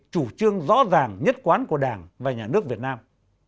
chủ trương rõ ràng nhất quán của đảng và nhà nước việt nam